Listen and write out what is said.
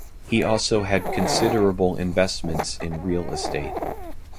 He also had considerable investments in real estate.